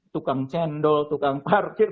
tukang cendol tukang parkir